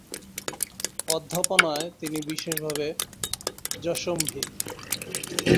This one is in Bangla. অধ্যাপনায় তিনি বিশেষভাবে যশম্বী।